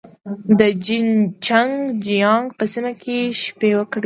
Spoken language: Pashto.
د جين چنګ جيانګ په سیمه کې شپې وکړې.